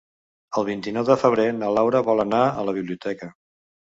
El vint-i-nou de febrer na Laura vol anar a la biblioteca.